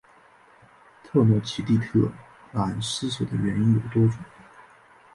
特诺奇蒂特兰失守的原因有多种。